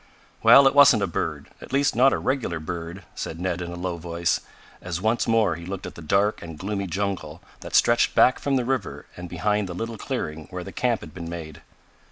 "Well it wasn't a bird at least not a regular bird," said Ned in a low voice, as once more he looked at the dark and gloomy jungle that stretched back from the river and behind the little clearing where the camp had been made.